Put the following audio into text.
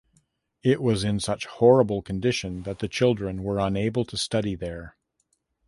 It was in such horrible condition that the children were unable to study there.